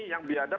yang di ada